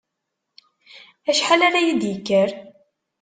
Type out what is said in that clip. Acḥal ara yi-d-yekker?